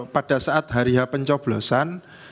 pada saat hari h pencoblosan